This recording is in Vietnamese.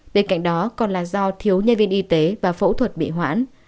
bên cạnh đó còn là do thiếu nhân viên y tế và phẫu thuật bị hoãn